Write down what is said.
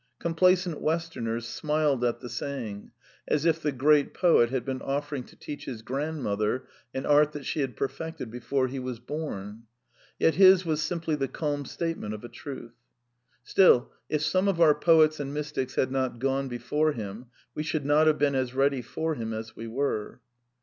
Complacent west erners smiled at the saying, as if the great poet had been offering to teach his grandmother an art that she had per fected before he was bom. Yet his was simply the calm statement of a truth. Still, if some of our poets and mystics had not gone before him, we should not have been as ready for him as we were.